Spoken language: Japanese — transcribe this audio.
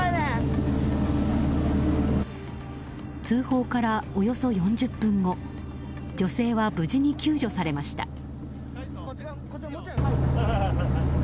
通報からおよそ４０分後女性は無事に救助されました。